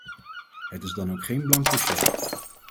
Het is dan ook geen blanco cheque.